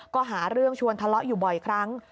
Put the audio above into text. ก็หาเรื่องชวนทะเลาะอยู่บ่อยครั้ง